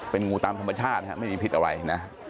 เป็นงูตามธรรมชาตินะครับไม่มีพิษอะไรนะ